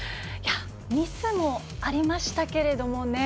ミスもありましたけれどもね。